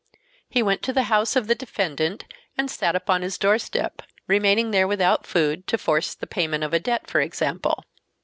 He went to the house of the defendant and sat upon his doorstep, remaining there without food to force the payment of a debt, for example.